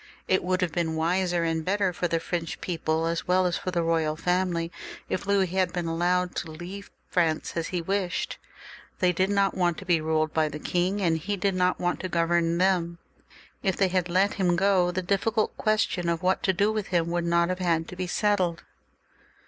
It would have been Mdser and better for the French people, as well as for the royal family, if Louis had been allowed to leave JFrance as he wished. They did not want to be ruled by the king, and he did not want to govern them. If they had let him go, the difficult question of what to do with him would not have had to be settled.